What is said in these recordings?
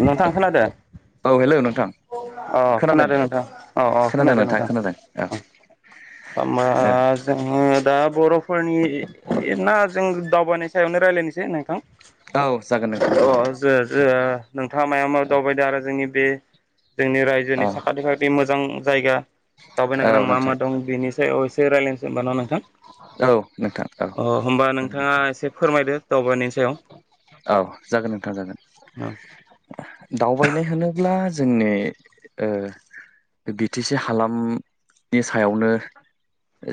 नोंथां खोनादों औ हेल' नोंथां। अ खोनादों नोंथां अ अ खोनादों नोंथां खोनादों औ ओमा औ जोंङो दा बर'फोरनि ना जों दावबायनाय सायावनो रायलायनोसै नोंथां। औ जागोन नोंथां जागोन अ जो जो नोंथांङा माया मा दावबायदो‌ आरो जोंनि बे जोंनि औ रायजोनि साखाथि खाथि मोजां जायगा दावबायनो गोनां औ मा नोंथां मा दं। से अ एसे रायलायनोसै ओमबा न नोंथां। औ नोंथां औ अ होमबा जागोन नोंथांङा नोंथां एसे फोरमायदो दावबायनायनि सायाव औ जागोन नोंथां जागोन दावबायनाय होनोब्ला जोंनि ओ बि टि सि हालामनि सायावनो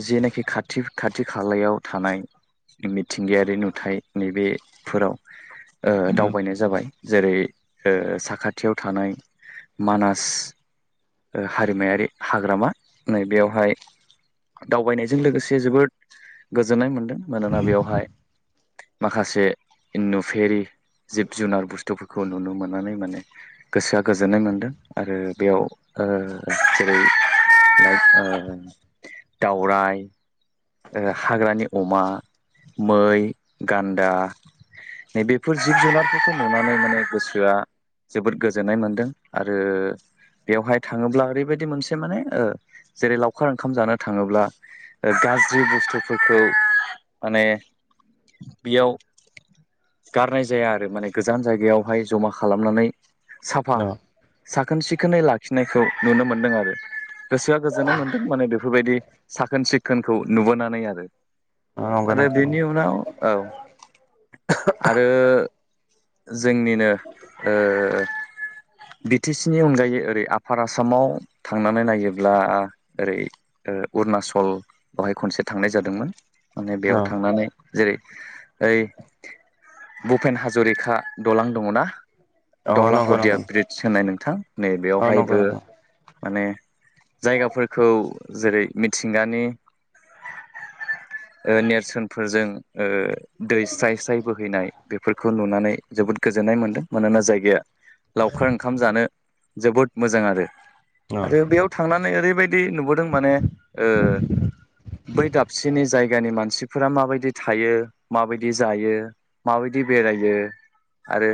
जेनेखि खाथि खाथि खालायाव थानाय मिथिंगायारि नुथाय नैबेफोराव ओ दावबायनाय जाबाय जेरै ओ साखाथियाव थानाय मानास ओ हारिमायारि हाग्रामा नै बेेयावहाय दावबायनाय जों लोगोसे जोबोद गोजोननाय मोन्दों मानोना बेवहाय माखासे नुफेरि जिब-जुनार बुस्थुफोरखौ नुनो मोननानै माने गोसोआ गोजोननाय मोनदों आरो बेयाव ओ जेरै लाक दावराय ओ हाग्रानि अमा, मै, गान्दा नै बेफोर जिब जुनारफोरखौ नुनानै माने गोसोआ जोबोद गोजोननाय मोनदों आरो बेवहाय थाङोब्ला ओरैबायदि मोनसे माने ओ जेरै लावखार ओंखाम जानो थाङोब्ला ओ गाज्रि बुस्थुफोरखौ माने बेयाव गारनाय जाया आरो माने गोजान जायगायावहाय जमा खालामनानै साफा साखोन सिखोनै लाखिनायखौ नुनो मोन्दों आरो। गोसोआ गोजोननाय मोन्दों माने बेफोरबायदि साखोन सि खोनखौ नुबोनानै आरो। औ नंगौ आरो नोंथां बेनि नंगौ उनाव औ। आरो जोंनिनो ओ बि टि सि नि अनगायै ओरै आफार आसामाव थांनानै नायोब्ला ओरै ओ अरुनाचल बावहाय खनसे थांनाय जादोंमोन माने बेयाव थांनानै जेरै ओइ भुपेन हाजरिक दलां दङना? औ अ दहला नंगौ हदिया नंगौ ब्रीदस होननाय नोंथां नै अ नंगौ बेयावहायबो नंगौ माने जायगाफोरखौ जेरै मिथिंगानि ओ नेरसोनफोरजों ओ दै स्राय स्राय बोहैनाय बेफोरखौ नुनानै जोबोद गोजो जोननाय मोनदों मानोना जायगाया लावखार ओंखाम जानो जोबोद मोजां आरो। आरो बेयाव थांनानै ओरैबायदि नुबोदों माने ओ बै दाबसेनि जायगानि मानसिफोरा माबायदि थायो माबायदि जायो माबायदि बेरायो आरो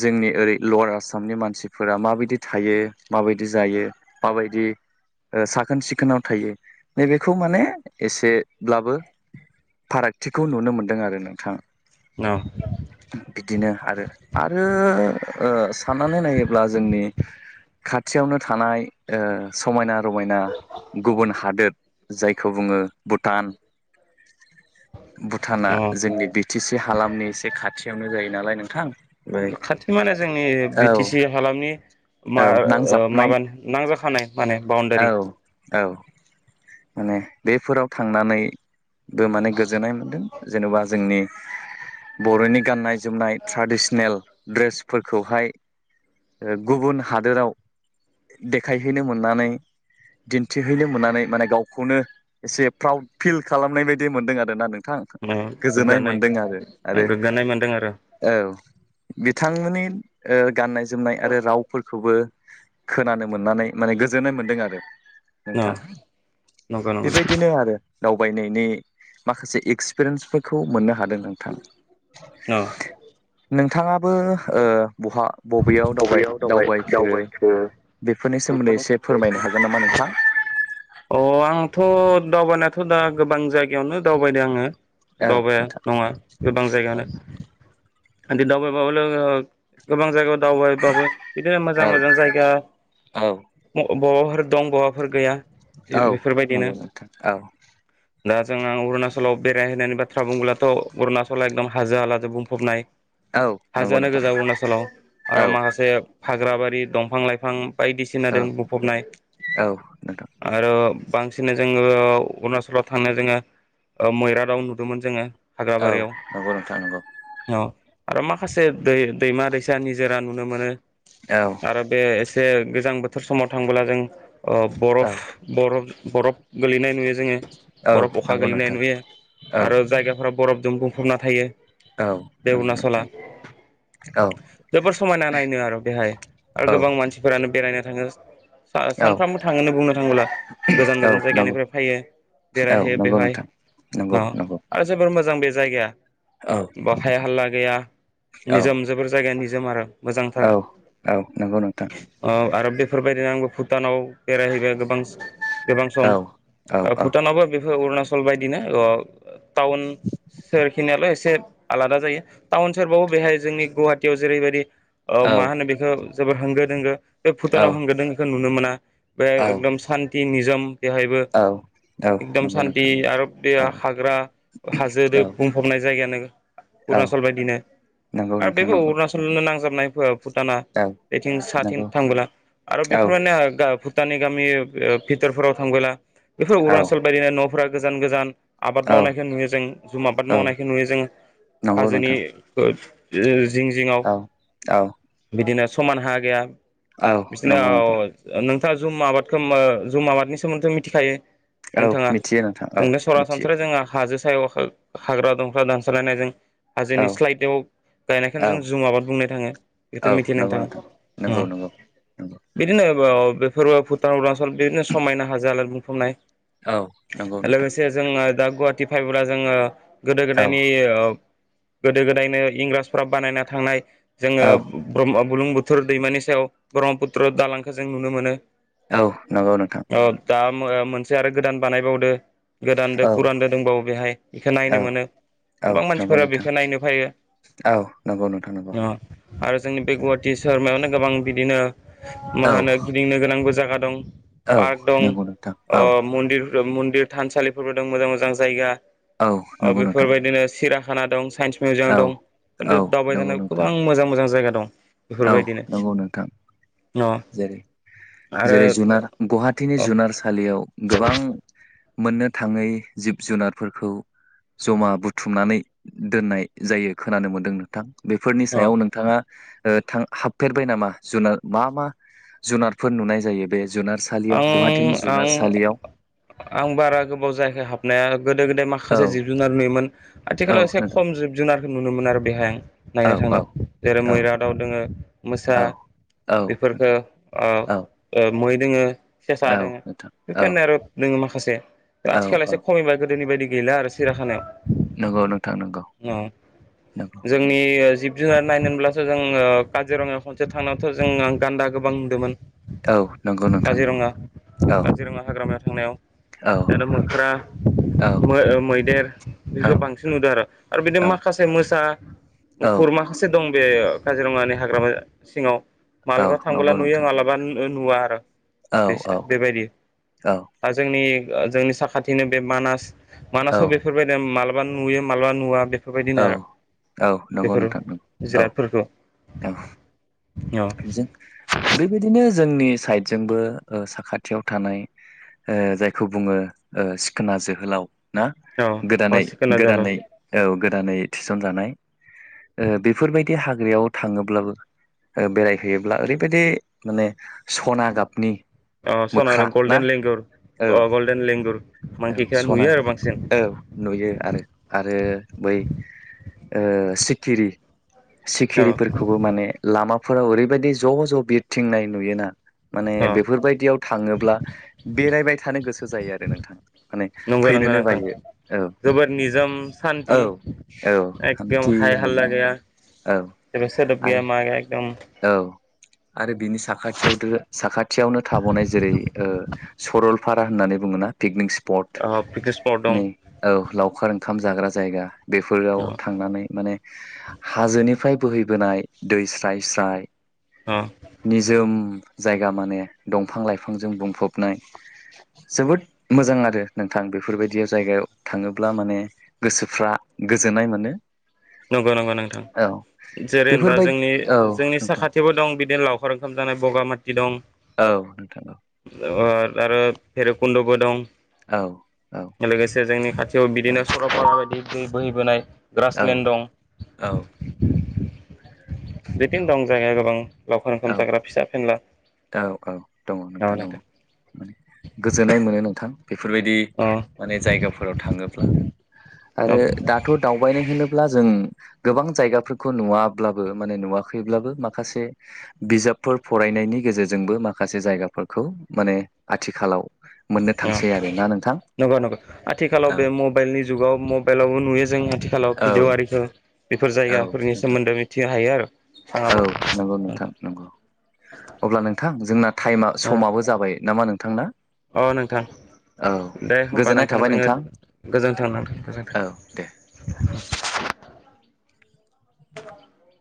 जोंनि ओरै लवार आसामनि मानसिफोरा माबायदि थायो माबायदि जायो माबायदि ओ साखोन सिखोनाव थायो। नैबेखौ माने एसेब्लाबो फारागथिखौ नुनो मोनदों आरो नोंथां। औ। बिदिनो आरो, आरो ओ साननानै नायोब्ला जोंनि खाथियावनो थानाय ओ समायना रमायना गुबुन हादोद जायखौ बुङो भुटान। भुटाना अ अ जोंनि बि थि सि हालामनि एसे खाथियावनो जायो नालाय नोंथां। खाथि माने जोंनि बि औ टि सि हालामनि औ मा ओ नांजाबनाय माबा नां औ औ माने बेफोराव थांनानै बो माने गोजोननाय मोनदों जेनेबा जोंनि बर'नि गाननाय जोमनाय ट्रेडिसनेल ड्रेसफोरखौहाय ओ गुबुन हादोराव देखायहैनो मोननानै दिन्थिहैनो मोननानै माने गावखौनो एसे प्राउड फिल खालामनाय बायदि मोनदों आरोना नों थां ओ गोजोननाय गोग्गानाय मोनदों आरो, आरो गोग्गानाय मोनदों आरो औ। बि बिथांमोननि ओ गाननाय जोमनाय आरो रावफोरखौबो खोनानो मोननानै माने गोजोननाय मोन्दों आरो औ नोंथां नंगौ नंगौ बेबायदिनो आरो। दावबायनायनि माखासे एक्सपिरियेन्सफोरखौ मोननो हादों नोंथां। औ नोंथाङाबो ओ बहा बबेयाव दावबाय दावबायखो बेफोरनि सोमोन्दै एसे फोरमायनो हागोन नामा नोंथां? अ आंथ' दावबायनायाथ' दा गोबां जायगायावनो दावबायदों आङो औ दावबाया नोंथां नङा गोबां औ जायगायावनो, बि दावबाय [unintelligible] गोबां जायगायाव दावबायबाबो बिदिनो मोजां औ मोजां जायगा [unintelligible] फोर दं बावाफोर गैया। औ बेफोरबायदिनो नंगौ नोंथां औ। दा जों आं अरुणाचलाव बेरायहैायनि बाथ्रा बुङोब्लाथ' अरुणाचल एकदम हाजो हालाजों बुंफबनाय। औ नंगौ नोंथां। सोल' औ आरो माखासे फाग्राबारि दंफां लाइफां औ बायदिसिनादों बुंफबनाय औ नोंथां आरो बांसिनै जोङो अरुणाचलाव थांनो जोङो मैरादाव नुदोंमोन जोङो औ हाग्राबारियाव नंगौ नोंथां नंगौ औ। आरो माखासे दै दैमा दैसा निजोरा नुनो मोनो औ आरो बे जे गोजां बोथोर समाव थांबोला जों औ बरफ बरफ बरफ गोलैनाय नुयो। जोङो बरफ अखा नंगौ गोलैनाय नोंथां नुयो औ आरो जायगाफोराव बरफजों बुंफबना थायो। औ बे नंगौ अरुणाचला नोंथां। औ जोबोर समायना नायनो आरो बेहाय आरो औ गोबां मानसिफोरानो बेरायनो थाङो। औ सानफ्रामबो थाङोनो बुंनो थाङोब्ला गोजान गोजान नंगौ जायगानिफ्राय फैयो। औ बेरायहैयो नंगौ बेवहाय नोंथां नंगौ नंगौ आरो जोबोर मोजां। मोजां बे जायगाया औ बाहाय हाल्ला गैया औ निजोम जोबोर जायगाया निजोम आरो मोजांथार औ नंगौ नोंथां आरो बेफोरबायदिनो आंबो भुटानाव बेरायहैबाय गोबां गोबां औ सम औ औ भुटानावबो अरुणाटचल बायदिना टाउन स खिनियल' एसे आलादा जायो टाउन सेरबावो बेहाय जोंनि गुवाहाटियाव जेरैबायदि औ मा होनो बेखौ जोबोर होंगो दोंगो बे भुटानाव औ होंगो दोंगोखौ नुनो मोना बे एकदम सान्थि निजोम बेहायबो औ एकदम नंगौ सान्थि नोंथां आरो बे औ हाग्रा हाजो औ बुंफबनाय जायगायानो। औ अरुणाचल बायदिनो नंगौ आरो नोंथां बेबो नंगौ अरुणाचलनो नांजाबनायफोर भुटाना औ बेथिं साथिं नंगौ थांबोला आरो औ बेफोरबायनो भुटाननि गामि बिथोरफोराव थांबोला बेफोर औ अरुणाचल बायदिनो न'फोरा गोजान गोजान। आबाद औ मावनायखौ नुयो जों जुम आबाद औ मावनायखौ नुयो जों नंगौ हाजोनि नोंथां जिं जिङआव औ औ बिदिनो समान हा गैया। औ बिदिनो नंगौ नोंथां नोंथाङा जुम आबादखौ जुम आबादनि सोमोन्दै मिथिखायो। औ नोंथाङा मिथियो नोंथां औ जोंनो मिथियो सरासनस्रायै जों हाजो हाग्रायाव हाग्रा दंफ्रा दानस्रलायनायजों हाजोनि औ स्लाइदआव गायनायखौनो औ जों जुम आबाद बुंनाय थाङो बेथ' औ मिथिनानै नंगौ नोंथां थाङा नंगौ नंगौ नंगौ बिदिनो बेफोर भुटान अरुणाचल बिदिनो समायना हाजोआलाय बुंफबनाय औ नंगौ नोंथां लोगोसे जोङो दा गुवाहाटि फायोब्ला जोङो गोदो औ गोदायनि गोदो गोदायनो इंराजफ्रा बानायना थांनाय जोङो औ ब्रह्म बुलुं बुथोर दैमानि सायाव ब्रह्मपुत्र दालांखौ जों नुनो मोनो। औ नंगौ नोंथां। ओ दा मोनसे आरो गोदान बानायबावदो गोदानदो औ पुरानदो दंबावो बेहाय बेखौ नायनो औ मोनो। औ गोबां नंगौ मानसिफोरा नोंथां बेखौ नायनो फैयो। औ नंगौ नोंथां नंगौ अ आरो जोंनि बे गुवाहाटि सोहोर मायावनो गोबां बिदिनो मा औ होनो गिदिंनो गोनांबो जायगा दं। औ पार्क दं नंगौ नोंथां औ मन्दिर मन्दिर थानसालिफोरबो दं मोजां मोजां जायगा। औ नंगौ नोंथां बेफोरबायदिनो सिरा खाना दं साइन्स मिउजियाम औ दं खिथु औ नंगौ दावबायजानायाव नोंथां गोबां मोजां मोजां जायगा दं। औ बेफोरबायदिनो नंगौ नोंथां। अ जेरै आरो जेरै जुनार गुवाहाटीनि अ जुनारसालियाव गोबां मोननो थाङै जिब जुनारफोरखौ जमा बुथुमनानै दोननाय जायो खोनानो मोन्दों नोंथां बेफोरनि अ सायाव नोंथाङा थां हाबफेरबाय नामा जुनार मा मा जुनारफोर नुनाय जायो बे जुनारसालियाव आं गुवाहाटिनि आं जुनारसालियाव आं बारा गोबाव जायाखै हाबनाया गोदो गोदाय औ माखासे जिब जुनार नुयोमोन औ आथिखालाव एसे नोंथां खम जिब जुनारखौ नुनो मोनो आरो बेहाय औ नायनो औ थांदों जेरै औ मैरादआव दोङो मोसा औ औ नोंथां औ बेफोरफोरखौ मै दङो। सेसा औ आरो नोंथां औ बेफोरनो आरो दोङो माखा माखासे औ आथिखालाव एसे औ खमिबाय गोदोनि बायदि गैला आरो सिराखानाया। नंगौ नोंथां नंगौ अ नंगौ जोंनि ओ जि जोंहा नायनो होनब्लासो जों काजिरङायाव खनसे थांनायावथ' जों गान्दा गोबां नुदोमोन। औ। नंगौ नोंथां नंगौ काजिरङा औ काजिरङा हाग्रामायाव थांनायाव औ दाना मोख्रा औ मो ओ औ मैदेरसो बांसिन नुदों आरो बिदिनो औ माखासे मोसा औ मुफुर माखासे दं बे काजिरङानि हाग्रामा सिङाव औ मालाबा थांबोला नंगौ नुयो नोंथां मालाबा नुवा आरो औ औ बेसो बेबायदि। औ दा जोंनि जोंनि साखाथिनो बे मानास औ मानासाव बेफोरबायदि मालाबा नुयो मालाबा नुवा बे फोरबायदिनो औ आरो औ नंगौ बेफोरो नोंथां नंगौ औ जिरादफोरखौ। औ औ जों बेबायदिनो जोंनि साइडजोंबो ओ साखाथियाव थानाय ओ जायखौ बुङो ओ सिखोना जोहोलाव ना औ अ गोदानै सिखोना जोहोलाव गोदानै औ गोदानै थिसन जानाय। ओ बेफोरबायदि हाग्रायाव थाङोब्लाबो ओ बेरायहैयोब्ला ओरैबायदि माने स'ना गाबनि अ स'ना मोख्रा आरो ना गल्डेन लेंगुर औ अ गल्डेन लेंगुर औ मांकिखौ स'ना नुयो आरो बांसिन औ नुयो आरो आरो बै ओ सिकिरि औ सिखिरिफोरखौबो माने लामा फोराव ओरैबायदि ज' ज' बिरथिंनाय नुयो ना माने औ बेफोरबायदियाव थाङोब्ला बेरायबाय थानो गोसो जायो आरो नोंथां माने [unintelligible] फैनोनो बायो औ जोबोर निजोम औ सान्थि औ एकदम हान्थि हाय हालला मोनो आरो गैया। औ जेबो सोदोब गैया आरो मा गैया एदम औ। आरो बिनि साखाथियाव [unintelligible] साखाथियावनो थाबावनाय जेरै ओ सरलफारा होननानै बुं ङो ना पिकनिक स्फत अ पिकनिक स्पट दं नै औ लावखार ओं खाम जाग्रा जायगा बेफोराव अ थांनानै माने हाजोनिफ्राय बोहैबोनाय दै स्राय स्राय अ निजोम जायगा माने दंफां लाइफांजों बुंफबनाय जोबोद मोजां आरो नोंथां। बेफोरबायदि जायगायाव थांङोब्ला माने गोसोफ्रा गोजोननाय मोनो। नंगौ नंगौ नोंथां। औ जेरै होनबा बेफोरबाय जोंनि औ जोंनि नोंथां साखाथियावबो दं बिदिनो लाव खार ओंखाम जानाय बगा माथि दं। औ नोंथां औ। ओ आरो भैरबकुन्दबो दं। औ औ औ लोगोसे जोंनि खाथियाव औ बिदिनो सरलपारा बायदि दै बोहैबोनाय [unintelligible] दं [inaudible] औ बिदिनो दं जायगाया गोबां लावखार ओंखाम जाग्रा फिसा फेनला औ औ दङ' नोंथां दङ' माने गोजोननाय मोनो नोंथां। बेफोरबायदि माने जायगाफोराव थांङोब्ला आरो अ दाथ' दावबायनाय होनोब्ला जों गोबां जायगाफोरखौ नुवाब्लाबो माने नुवाखैब्लाबो माखासे बिजाबफोर फरायनायनि गेजेरजोंबो माखासे जायगाफोरखौ माने आथिखालाव मोननो अ अ थांसै आरो ना नों नंगौ नंगौ। आथिखालाव बे मबेलनि जुगाव मबेलावबो नुयो जों आथिखालाव भिदिअ' औ आरिखौ। बेफोर औ जायगाफोरनि नोंथां। सोमोन्दै मिथि हायो आरो औ नंगौ नोंथां नंगौ। अब्ला नोंथां जोंना थाइमा समाबो जाबाय नामा नों अ नोंथां। दे होमबा गोजोननाय नोंथां थाबाय जोंङो गोजोनथों नोंथां औ दे गोजोनथों। [inaudible]